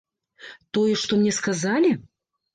Тое, што мне сказалі?